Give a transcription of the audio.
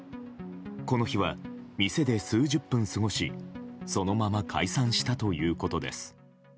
この日は店で数十分過ごしそのまま解散したということです。